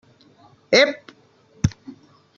Ep!